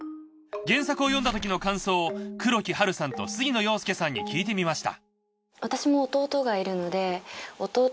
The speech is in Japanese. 原作を読んだときの感想を黒木華さんと杉野遥亮さんに聞いてみました。